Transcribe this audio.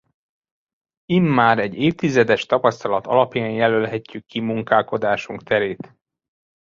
Immár egy évtizedes tapasztalat alapján jelölhetjük ki munkálkodásunk terét.